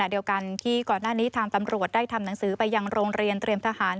เดียวกันที่ก่อนหน้านี้ทางตำรวจได้ทำหนังสือไปยังโรงเรียนเตรียมทหาร